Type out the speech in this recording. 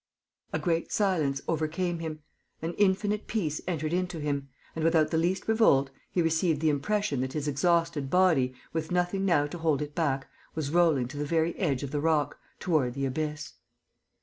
A great silence overcame him; an infinite peace entered into him; and, without the least revolt, he received the impression that his exhausted body, with nothing now to hold it back, was rolling to the very edge of the rock, toward the abyss.